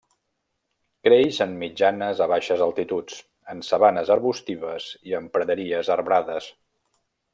Creix en mitjanes a baixes altituds, en sabanes arbustives i en praderies arbrades.